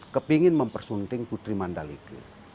kepingin mempersunting putri mandalika